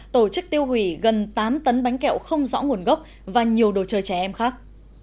tổ chức tiêu hủy gần tám tấn bánh kẹo không rõ nguồn gốc và nhiều đồ chơi trẻ em khác